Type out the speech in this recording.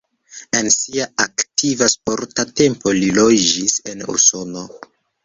En sia aktiva sporta tempo li loĝis en Usono.